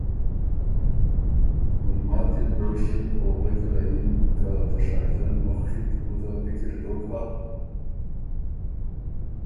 ګلماتی ل بویٛ ݭیوک او غوېکه له یِن۔ که ته شائزل مُخکی ت ګُده پِکر دوک هۀ؟